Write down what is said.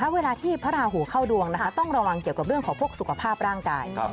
เวลาที่พระราหูเข้าดวงต้องระวังเกี่ยวกับเรื่องของพวกสุขภาพร่างกาย